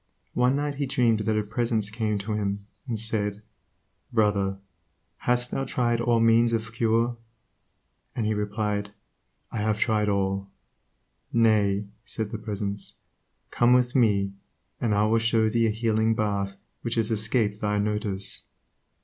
One night he dreamed that a Presence came to him and said, "Brother, hast thou tried all the means of cure?" and he replied, "I have tried all." "Nay," said the Presence, "Come with me, and I will show thee a healing bath which has escaped thy notice."